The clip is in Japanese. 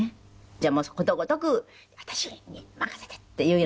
じゃあことごとく私に任せて！っていうような。